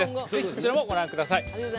ぜひそちらもご覧ください。